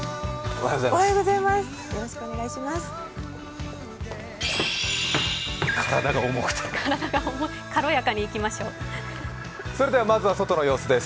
おはようございます。